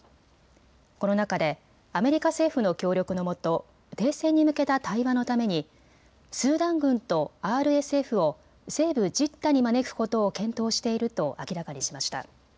この中でアメリカ政府の協力のもと、停戦に向けた対話のためにスーダン軍とＲＳＦを西部ジッダに招くことを検討していると明らかにしました。